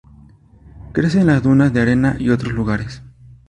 Crece en las dunas de arena y otros lugares.